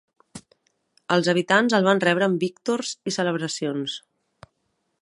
Els habitants el van rebre amb víctors i celebracions.